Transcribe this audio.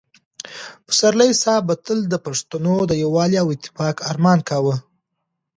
پسرلي صاحب به تل د پښتنو د یووالي او اتفاق ارمان کاوه.